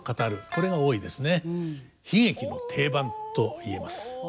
これが多いですね。